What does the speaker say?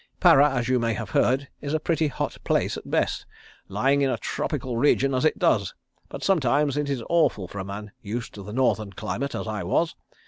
Para as you may have heard is a pretty hot place at best, lying in a tropical region as it does, but sometimes it is awful for a man used to the Northern climate, as I was.